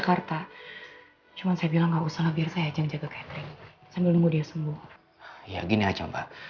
karena mama sedang nemenin adik keisha